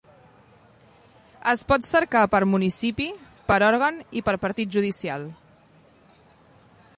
Es pot cercar per municipi, per òrgan i per partit judicial.